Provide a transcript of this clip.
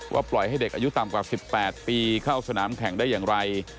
ปล่อยให้เด็กอายุต่ำกว่า๑๘ปีเข้าสนามแข่งได้อย่างไร